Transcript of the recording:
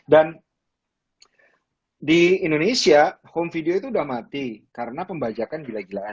dan di indonesia home video itu udah mati karena pembajakan gila gilaan